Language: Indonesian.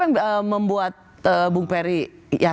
faktor kira kira apa yang membuat bung perry yakin kita bisa satu